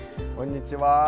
こんにちは。